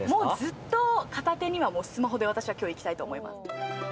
ずっと片手にはスマホで今日はいきたいと思います。